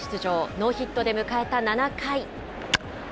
ノーヒットで迎えた７回。